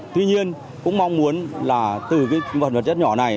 tuy nhiên cũng mong muốn là từ cái vật chất nhỏ này